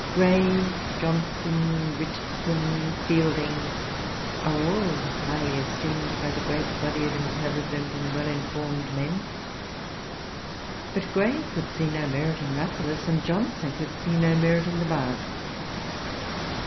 Gray, Johnson, Richardson, Fielding, are all highly esteemed by the great body of intelligent and well informed men. But Gray could see no merit in Rasselas; and Johnson could[Pg 343] see no merit in the Bard.